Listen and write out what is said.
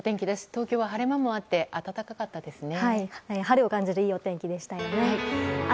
東京は晴れ間もあって暖かかったですね。